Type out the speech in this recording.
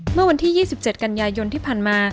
เมื่อวันที่๒๗กันยายนที่ผ่านมา